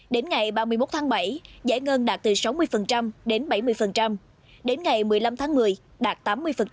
đến ngày ba mươi một tháng bảy giải ngân đạt từ sáu mươi đến bảy mươi đến ngày một mươi năm tháng một mươi đạt tám mươi